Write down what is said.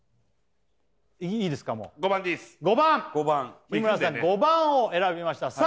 ５番日村さん５番を選びました